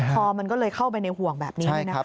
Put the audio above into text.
คอมันก็เลยเข้าไปในห่วงแบบนี้นะคะ